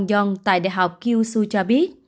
giáo sư chong yong tại đại học kyushu cho biết